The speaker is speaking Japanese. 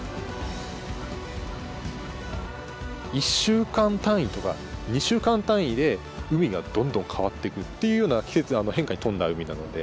１週間単位とか２週間単位で海がどんどん変わっていくっていうような季節変化に富んだ海なので。